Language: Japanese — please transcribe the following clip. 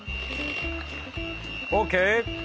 オーケー。